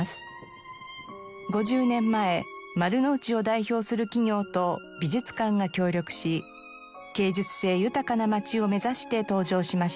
５０年前丸の内を代表する企業と美術館が協力し芸術性豊かな街を目指して登場しました。